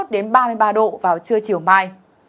ba mươi một đến ba mươi ba độ vào trưa chiều mai